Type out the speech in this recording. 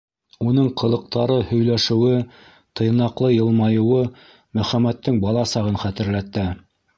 Уның ҡылыҡтары, һөйләшеүе, тыйнаҡлы йылмайыуы Мөхәммәттең бала сағын хәтерләтә.